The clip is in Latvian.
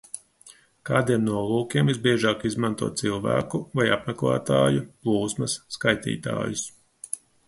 Kādiem nolūkiem visbiežāk izmanto cilvēku vai apmeklētāju plūsmas skaitītājus?